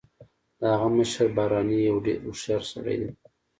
د هغه مشر بارني یو ډیر هوښیار سړی دی